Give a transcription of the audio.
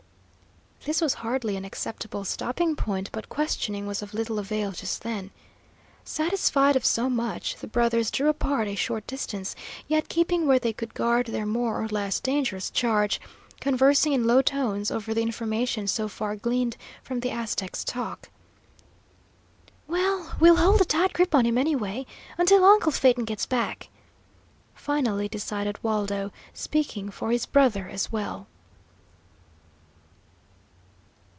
This was hardly an acceptable stopping point, but questioning was of little avail just then. Satisfied of so much, the brothers drew apart a short distance, yet keeping where they could guard their more or less dangerous charge, conversing in low tones over the information so far gleaned from the Aztec's talk. "Well, we'll hold a tight grip on him, anyway, until uncle Phaeton gets back," finally decided Waldo, speaking for his brother as well.